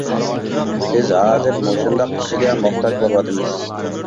-بىز ھازىر مۇشۇنداق كىشىگە موھتاج بولۇۋاتىمىز.